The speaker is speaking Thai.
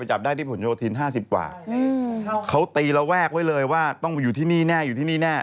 จับได้ที่ผลโยธิน๕๐กว่าเขาตีระแวกไว้เลยว่าต้องอยู่ที่นี่แน่อยู่ที่นี่แน่